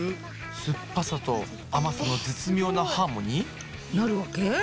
すっぱさとあまさの絶妙なハーモニー？なるわけ？